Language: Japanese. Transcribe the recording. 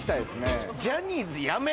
ジャニーズやめ。